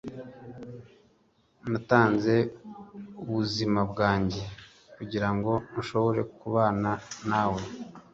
natanze ubuzima bwanjye kugirango nshobore kubana nawe